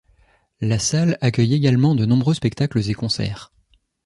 La salle accueille également de nombreux spectacles et concerts.